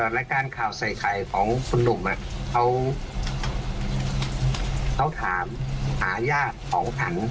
รายการข่าวใส่ไข่ของคุณหนุ่มเขาถามหาญาติของฉัน